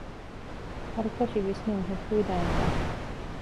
ހަރުކަށި ވިސްނުން ހުއްޓުވިދާނެ ބާ؟